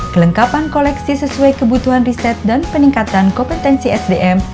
kelengkapan koleksi sesuai kebutuhan riset dan peningkatan kompetensi sdm